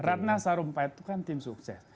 rathnasarumpaid itu kan tim sukses